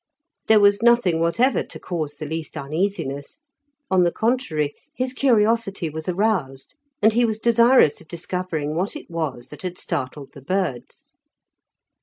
There was nothing whatever to cause the least uneasiness; on the contrary, his curiosity was aroused, and he was desirous of discovering what it was that had startled the birds.